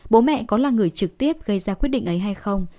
bố mẹ có là người trực tiếp gây ra quyết định ấy hay không